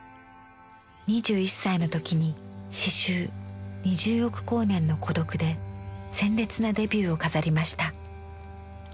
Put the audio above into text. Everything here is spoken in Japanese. ２１歳の時に詩集「二十億光年の孤独」で鮮烈なデビューを飾りました。